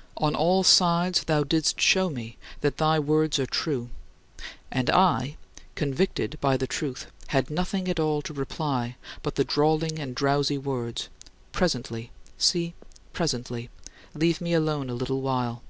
" On all sides, thou didst show me that thy words are true, and I, convicted by the truth, had nothing at all to reply but the drawling and drowsy words: "Presently; see, presently. Leave me alone a little while."